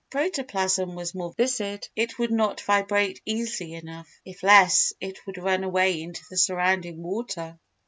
If protoplasm was more viscid it would not vibrate easily enough; if less, it would run away into the surrounding water.